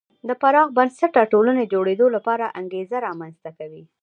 د پراخ بنسټه ټولنې جوړېدو لپاره انګېزه رامنځته کوي.